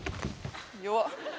弱っ！